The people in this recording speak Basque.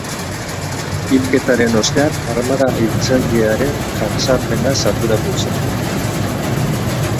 Hilketaren ostean armada hiltzailearen jazarpenaz arduratu zen.